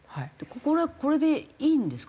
これはこれでいいんですか？